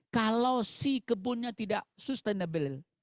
kalau si kebunnya tidak sustainable